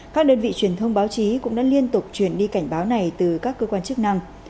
các đơn vị truyền thông báo chí cũng đã liên tục truyền đi cảnh báo này từ các cơ quan chức năng